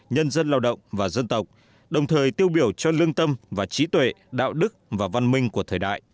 nhân dân lao động và dân tộc đồng thời tiêu biểu cho lương tâm và trí tuệ đạo đức và văn minh của thời đại